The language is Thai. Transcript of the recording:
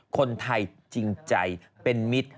คนไทยจริงใจเป็นมิตร